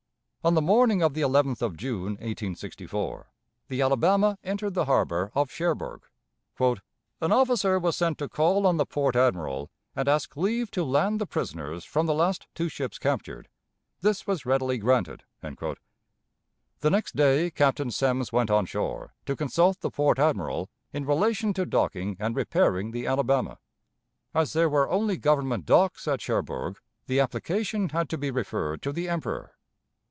On the morning of the 11th of June, 1864, the Alabama entered the harbor of Cherbourg. "An officer was sent to call on the port admiral, and ask leave to land the prisoners from the last two ships captured; this was readily granted." The next day Captain Semmes went on shore to consult the port admiral "in relation to docking and repairing" the Alabama. As there were only government docks at Cherbourg, the application had to be referred to the Emperor.